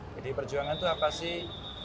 pdi perjuangan itu apa sih